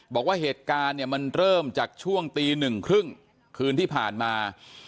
บอกว่าเหตุการณ์เนี่ยมันเริ่มจากช่วงตีหนึ่งครึ่งคืนที่ผ่านมา